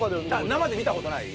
生で見た事ない？